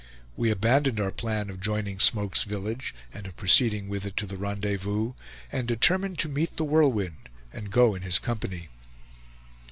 We abandoned our plan of joining Smoke's village, and of proceeding with it to the rendezvous, and determined to meet The Whirlwind, and go in his company.